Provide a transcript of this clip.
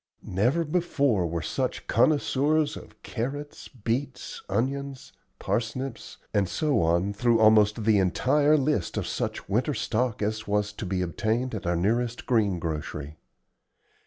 Never before were such connoisseurs of carrots, beets, onions, parsnips, and so on through almost the entire list of such winter stock as was to be obtained at our nearest green grocery.